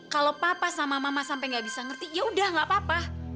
kalau papa sama mama sampai gak bisa ngerti yaudah gak apa apa